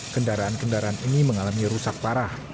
kendaraan kendaraan ini mengalami rusak parah